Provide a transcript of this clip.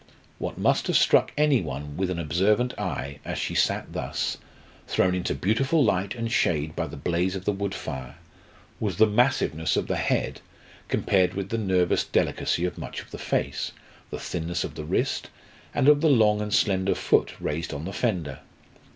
What must have struck any one with an observant eye, as she sat thus, thrown into beautiful light and shade by the blaze of the wood fire, was the massiveness of the head compared with the nervous delicacy of much of the face, the thinness of the wrist, and of the long and slender foot raised on the fender.